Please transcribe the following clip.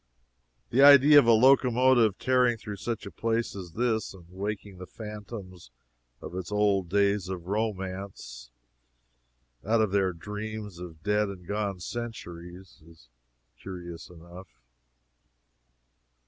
The idea of a locomotive tearing through such a place as this, and waking the phantoms of its old days of romance out of their dreams of dead and gone centuries, is curious enough.